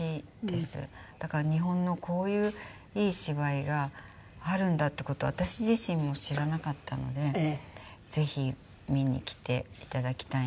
だから日本のこういういい芝居があるんだっていう事を私自身も知らなかったのでぜひ見に来て頂きたいなって思っています。